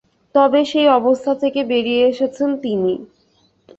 তবে সেই অবস্থা থেকে বেরিয়ে এসেছেন তিনি।